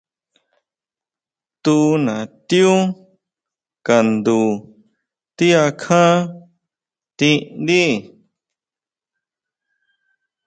Tunatiú kandu ti akján tindíi.